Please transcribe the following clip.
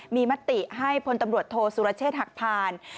มีมติให้พลตำรวจโทษสุรเชษฐ์หักพาน